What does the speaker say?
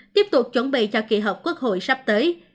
tiếp tục chuẩn bị cho kỷ hợp quốc hội sắp tới